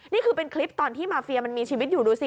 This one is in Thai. นี่คือเป็นคลิปตอนที่มาเฟียมันมีชีวิตอยู่ดูสิ